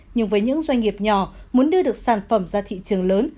nhưng với những doanh nghiệp nhỏ muốn đưa được sản phẩm ra thị trường lớn